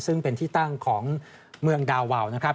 ซึ่งเป็นที่ตั้งของเมืองดาวาวนะครับ